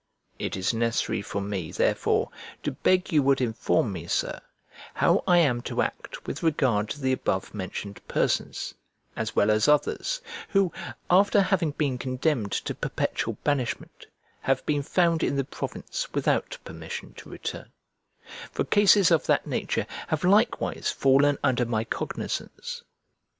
It is necessary for me, therefore, to beg you would inform me, Sir, how I am to act with regard to the above mentioned persons, as well as others, who, after having been condemned to perpetual banishment, have been found in the province without permission to return; for cases of that nature have likewise fallen under my cognisance.